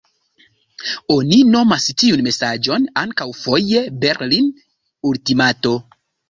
Oni nomas tiun mesaĝon ankaŭ foje Berlin-ultimato.